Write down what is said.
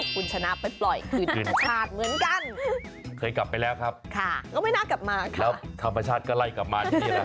ก็ไม่น่ากลับมาอันนี้ก็สำคัญนะคะ